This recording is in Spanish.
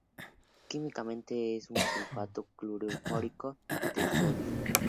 Químicamente es un sulfato-fluoruro de sodio.